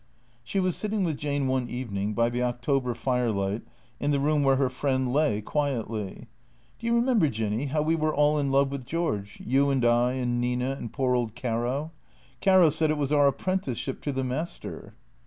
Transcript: She was sitting with Jane one evening, by the October fire light, in the room where her friend lay quietly. " Do you remember. Jinny, how we were all in love with George, you and I and Nina and poor old Caro? Caro said it was our apprenticeship to the master."